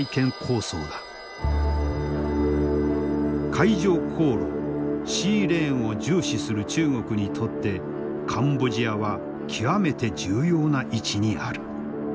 海上航路シーレーンを重視する中国にとってカンボジアは極めて重要な位置にある。